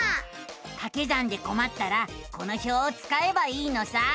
かけ算でこまったらこの表をつかえばいいのさ。